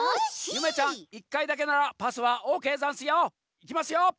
ゆめちゃん１かいだけならパスはオーケーざんすよ。いきますよ。